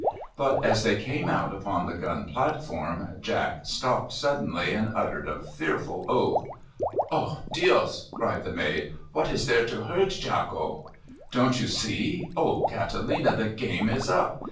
But as they came out upon the gun platform, Jack stopped suddenly, and uttered a fearful oath. "O dios!" cried the maid, "what is there to hurt, Jacko?" "Don't you see? Oh, Catalina, the game is up!